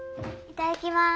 いただきます。